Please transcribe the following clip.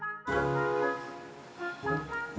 nanti aku nunggu